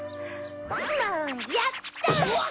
もうやっだ！